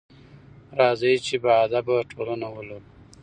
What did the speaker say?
راځئ چې باادبه ټولنه ولرو.